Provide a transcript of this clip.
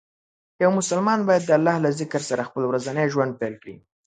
یو مسلمان باید د الله له ذکر سره خپل ورځنی ژوند پیل کړي.